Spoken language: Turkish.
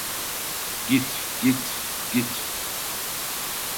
Git, git, git!